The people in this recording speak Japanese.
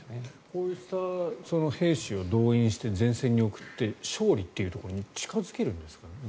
こうした兵士を動員して前線に送って勝利っていうところに近付けるんですかね？